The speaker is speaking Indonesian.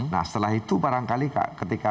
nah setelah itu barangkali ketika